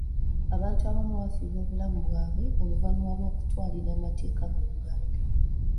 Abantu abamu bafiirwa obulamu bwabwe oluvannyuma lw'okutwalira amateeka mu ngalo.